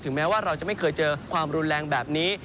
แม้ว่าเราจะไม่เคยเจอความรุนแรงแบบนี้